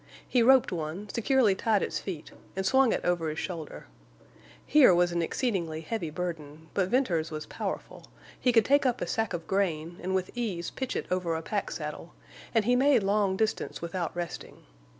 He roped one, securely tied its feet, and swung it over his shoulder. Here was an exceedingly heavy burden, but Venters was powerful—he could take up a sack of grain and with ease pitch it over a pack saddle—and he made long distance without resting.